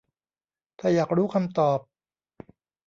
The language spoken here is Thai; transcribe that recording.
ถ้าอยากรู้คำตอบ